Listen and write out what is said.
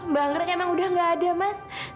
banggrek memang sudah nggak ada mas